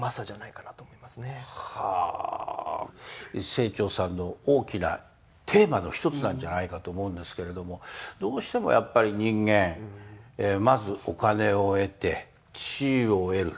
清張さんの大きなテーマの一つなんじゃないかと思うんですけれどもどうしてもやっぱり人間まずお金を得て地位を得る。